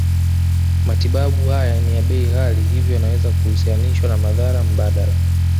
Matibabu haya ni ya bei ghali hivyo yanaweza kuhusishwa na madhara mbadala